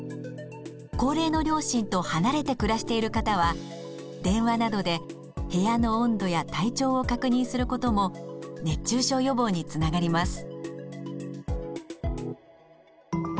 高齢の両親と離れて暮らしている方は電話などで部屋の温度や体調を確認することも熱中症予防につながります。